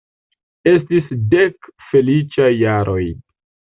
Estis dek feliĉaj jaroj.